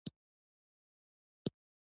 فکر مې وکړ چې الوتکې ممکن ټانکونه بمبار کړي